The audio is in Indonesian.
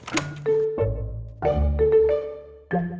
suara mobil tuh